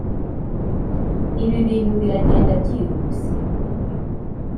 ibi bintu biragenda byihuse.